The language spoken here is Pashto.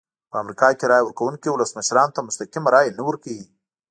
په امریکا کې رایه ورکوونکي ولسمشرانو ته مستقیمه رایه نه ورکوي.